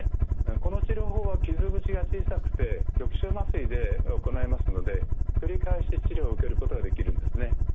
この治療法は傷口が小さくて局所麻酔で行えますので繰り返し治療を受けることができるんですね。